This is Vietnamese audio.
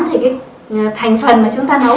thì cái thành phần mà chúng ta nấu